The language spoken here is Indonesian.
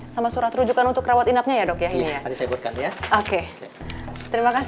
sama surat rujukan untuk rawat inapnya ya dok ya